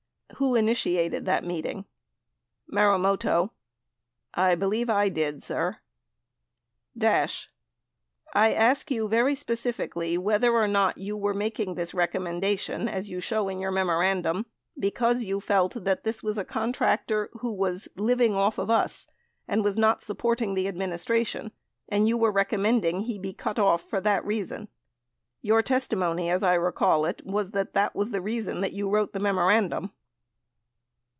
Who initiated the meeting ? Marumoto. I believe I did, sir. Dash. I ask you very specifically whether or not you were making this recommendation as you show in your memo randum because you felt that this was a contractor "who was living off of us," and was not supporting the administration and you were recommending he be cut off for that reason. Your testimony, as I recall it, was that was the reason that you wrote the memorandum.